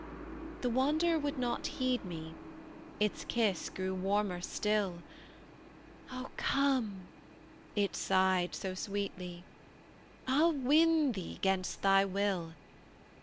The wanderer would not heed me; Its kiss grew warmer still. "O come!" it sighed so sweetly; "I'll win thee 'gainst thy will.